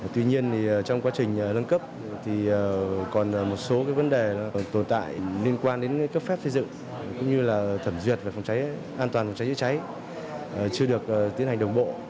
tuy nhiên trong quá trình lân cấp còn một số vấn đề tồn tại liên quan đến cấp phép xây dựng cũng như thẩm duyệt và an toàn phòng cháy chữa cháy chưa được tiến hành đồng bộ